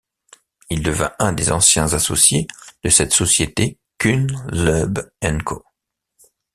Il devint un des anciens associés de cette société Kuhn, Loeb & Co.